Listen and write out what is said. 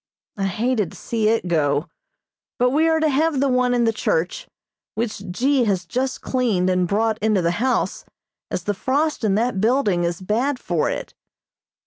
I hated to see it go, but we are to have the one in the church, which G. has just cleaned and brought into the house, as the frost in that building is bad for it.